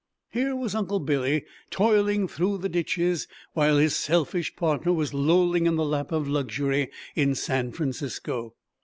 Here was poor Uncle Billy toiling through the ditches, while his selfish partner was lolling in the lap of luxury in San Francisco!